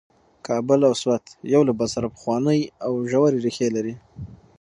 کابل او سوات یو له بل سره پخوانۍ او ژورې ریښې لري.